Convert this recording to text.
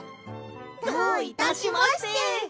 どういたしまして。